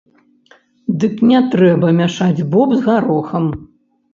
Дык не трэба мяшаць боб з гарохам.